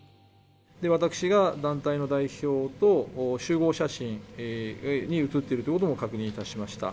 私が団体の代表と集合写真に写っているということも確認いたしました。